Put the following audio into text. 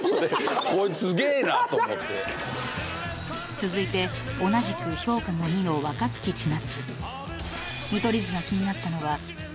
［続いて同じく評価が２の若槻千夏］